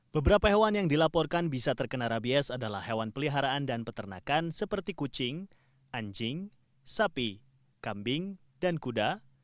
beberapa hewan yang dilaporkan bisa terkena rabies adalah hewan peliharaan dan peternakan seperti kucing anjing sapi kambing dan kuda